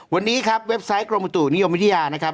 วันนี้ครับเว็บไซต์กรมอุตุนิยมวิทยานะครับ